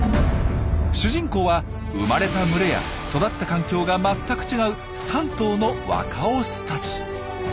主人公は生まれた群れや育った環境が全く違う３頭の若オスたち。